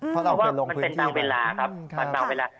เพราะว่ามันเป็นตามเวลาครับตามเวลา